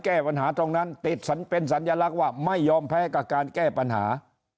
แก้ปัญหาตรงนั้นติดเป็นสัญลักษณ์ว่าไม่ยอมแพ้กับการแก้ปัญหา